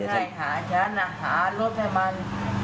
ฉันให้หาฉันอ่ะหารถให้มัน